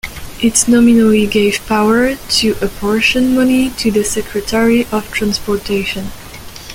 It nominally gave power to apportion money to the Secretary of Transportation.